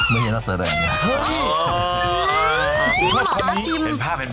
ไม่เห็นนักแสดงอ๋อชิมหรอชิมเป็นภาพเป็นภาพ